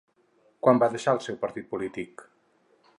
Quan va deixar el seu partit polític?